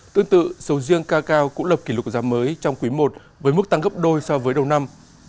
tương tự sầu riêng cao cao cũng lập kỷ lục giá mới trong quý i với mức tăng gấp đôi so với đầu năm